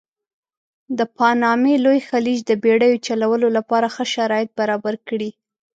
د پانامې لوی خلیج د بېړیو چلولو لپاره ښه شرایط برابر کړي.